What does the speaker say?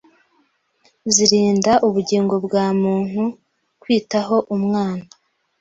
Zirinda Ubugingo bwa Muntu Kwitaho Umwana